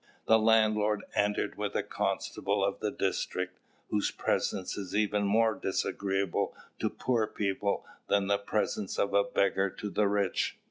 The landlord entered with the constable of the district, whose presence is even more disagreeable to poor people than is the presence of a beggar to the rich.